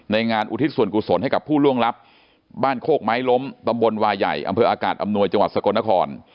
งานอุทิศส่วนกุศลให้กับผู้ล่วงลับบ้านโคกไม้ล้มตำบลวาใหญ่อำเภออากาศอำนวยจังหวัดสกลนคร